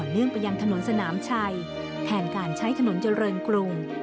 เนื่องไปยังถนนสนามชัยแทนการใช้ถนนเจริญกรุง